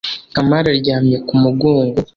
kamari aryamye ku mugongo